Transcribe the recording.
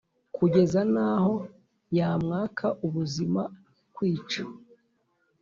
kugeza n’aho yamwaka ubuzima, kwica